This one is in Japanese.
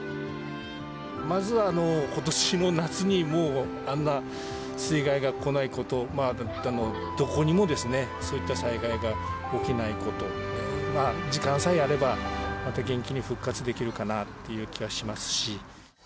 まずはことしの夏にもう、あんな水害が来ないこと、どこにもですね、そういった災害が起きないこと、時間さえあれば、また元気に復活できるかなっていう気はしますし。